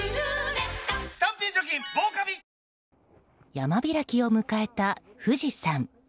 山開きを迎えた富士山。